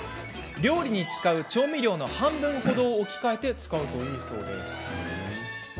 料理に使う調味料の半分程を置き換えて使うといいそうです。